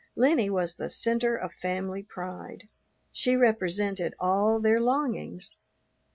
Lennie was the center of family pride. She represented all their longings.